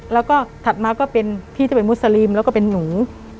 แล้วก็ถัดมาก็เป็นพี่ที่เป็นมุสลิมแล้วก็เป็นหนู